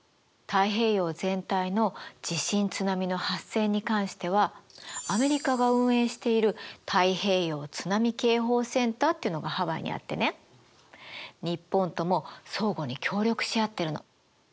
太平洋全体の地震津波の発生に関してはアメリカが運営している太平洋津波警報センターっていうのがハワイにあってね日本とも相互に協力し合ってるの。